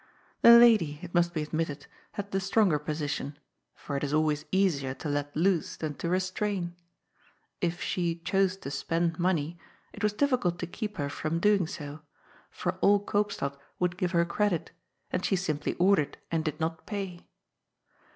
The lady, it must be admitted, had the stronger posi tion, for it is always easier to let loose than to restrain. If she chose to spend money, it was difficult to keep her from doing so, for all Koopstad would give her credit, and she simply ordered and did not pay.